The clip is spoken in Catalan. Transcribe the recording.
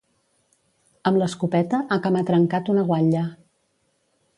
Amb l'escopeta ha camatrencat una guatlla.